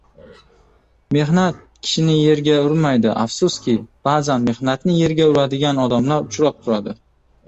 Mehnat kishini yerga urmaydi; afsuski, ba’zan mehnatni yerga uradigan odamlar uchrab turadi.